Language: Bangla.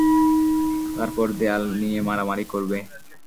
তারপর দেয়াল নিয়ে মারামারি করবে।